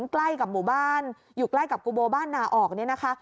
ใกล้กับหมู่บ้านอยู่ใกล้กับกุโบบ้านนาออกเนี่ยนะคะ